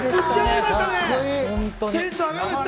テンション上がりました。